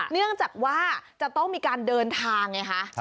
เนื่องจากว่าจะต้องมีการเดินทางไงคะ